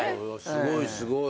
すごいすごい。